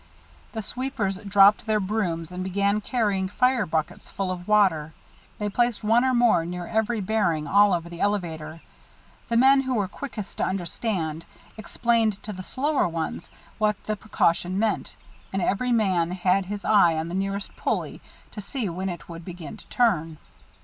The sweepers dropped their brooms and began carrying fire buckets full of water. They placed one or more near every bearing all over the elevator. The men who were quickest to understand explained to the slower ones what the precaution meant, and every man had his eye on the nearest pulley to see when it would begin to turn.